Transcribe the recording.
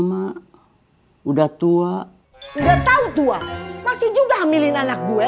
mah udah tua nggak tahu tua masih juga hamilin anak gue